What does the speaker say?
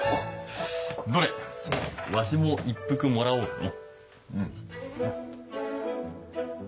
どれわしも一服もらおうかの？